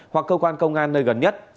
hoặc cơ quan công an nơi gần nhất